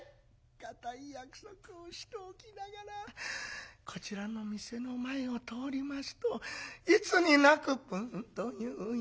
固い約束をしておきながらこちらの店の前を通りますといつになくプーンといういい香り。